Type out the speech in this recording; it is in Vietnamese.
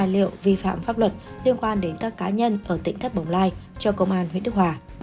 liệu vi phạm pháp luật liên quan đến các cá nhân ở tỉnh thất bồng lai cho công an huyện đức hòa